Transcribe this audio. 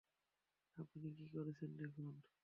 আপনি কি করেছেন দেখুন!